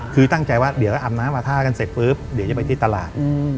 เดี๋ยวอาบน้ำมาท่ากันเสร็จปุ๊บเดี๋ยวจะไปที่ตลาด